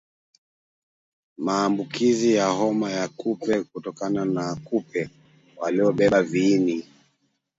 maambukizi ya homa ya kupe kutokana na kupe waliobeba viini